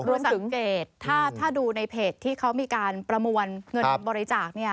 คุณสังเกตถ้าดูในเพจที่เขามีการประมวลเงินบริจาค